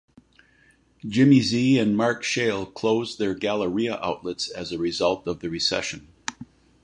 Jimmy'z and Mark Shale closed their Galleria outlets as a result of the recession.